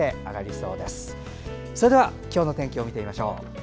それでは今日の天気を見てみましょう。